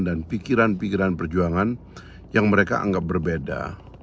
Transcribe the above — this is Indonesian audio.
dan pikiran pikiran perjuangan yang mereka anggap berbeda